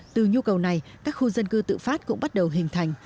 từ nhu cầu này các khu dân cư tự phát cũng bắt đầu hình thành